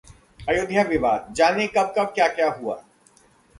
अयोध्या विवाद: जानें- कब-कब, क्या-क्या हुआ